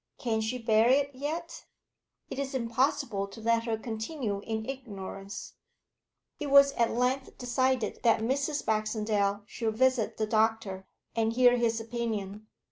Can she bear it yet? It is impossible to let her continue in ignorance.' It was at length decided that Mrs. Baxendale should visit the doctor, and hear his opinion.